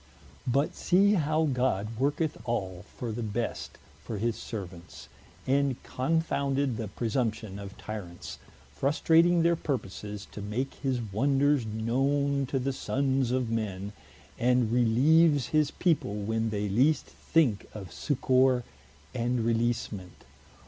But see how God worketh all for the best for his servants, and confounded the presumption of Tyrants, frustrating their purposes, to make his wonders knowne to the sonnes of men, and releeves his people, when they least thinke of succour and releasement.